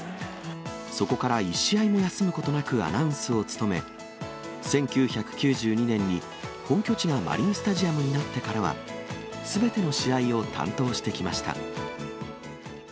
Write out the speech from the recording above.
そこから１試合も休むことなくアナウンスを務め、１９９２年に本拠地がマリンスタジアムになってからは、すべての試合を担当してきました。